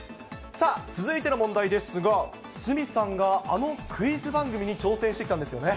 さあ、続いての問題ですが、鷲見さんがあのクイズ番組に挑戦してきたんですよね。